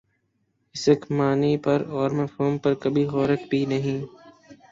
اسک معانی پر اور مفہوم پر کبھی غورک بھی نہیں